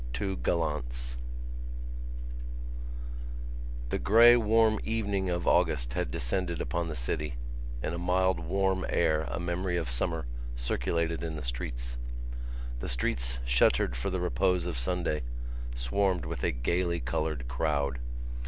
TWO GALLANTS The grey warm evening of August had descended upon the city and a mild warm air, a memory of summer, circulated in the streets. The streets, shuttered for the repose of Sunday, swarmed with a gaily coloured crowd.